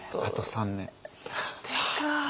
３年か。